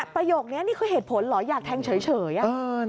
ประโยคนี้นี่คือเหตุผลเหรออยากแทงเฉยอ่ะ